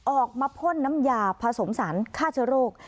พ่นน้ำยาผสมสารฆ่าเชื้อโรค